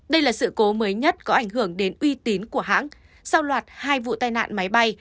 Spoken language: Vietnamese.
đây là sự cố mới nhất có ảnh hưởng đến uy tín của hãng sau loạt hai vụ tai nạn máy bay